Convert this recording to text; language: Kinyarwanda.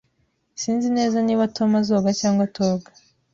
Sinzi neza niba Tom azoga cyangwa atoga.